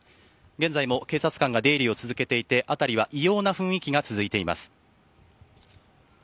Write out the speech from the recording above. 現在も警察官が出入りを続けていて辺りは異様な雰囲気が続いています。